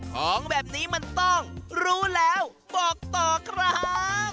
ของแบบนี้มันต้องรู้แล้วบอกต่อครับ